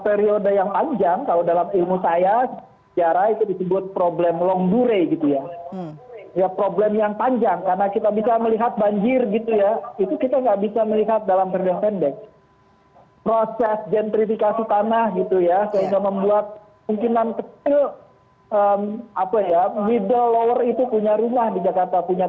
terus yang ketiga apakah yang dikenal sebagai problematis dan multidimensional tersebut